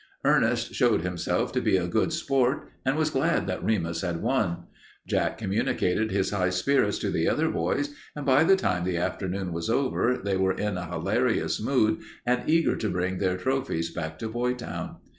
Ernest showed himself to be a good sport and was glad that Remus had won. Jack communicated his high spirits to the other boys, and by the time the afternoon was over they were in a hilarious mood and eager to bring their trophies back to Boytown.